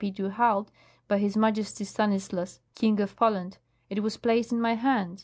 P. du Halde by His Majesty Stanislas, King of Poland, it was placed in my hands.